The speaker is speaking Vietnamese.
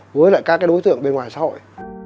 với các đối tượng bên ngoài xã hội